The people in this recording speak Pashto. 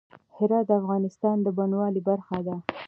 هرات د افغانستان د بڼوالۍ برخه ده.